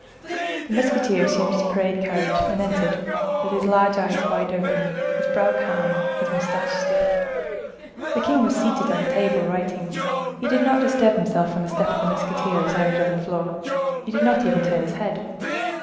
The musketeer assumed his parade carriage, and entered, with his large eyes wide open, his brow calm, his moustache stiff. The king was seated at a table writing. He did not disturb himself when the step of the musketeer resounded on the floor; he did not even turn his head.